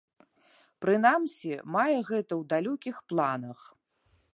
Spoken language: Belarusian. Прынамсі, мае гэта ў далёкіх планах.